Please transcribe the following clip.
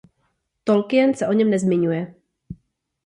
Tolkien se o něm nezmiňuje.